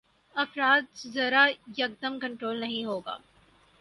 افراط زر ایکدم کنٹرول نہیں ہوگا۔